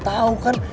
bersih atau kotor